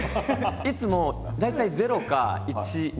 いつも大体０か１２。